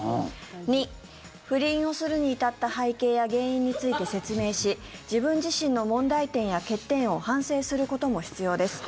２、不倫をするに至った背景や原因について説明し自分自身の問題点や欠点を反省することも必要です。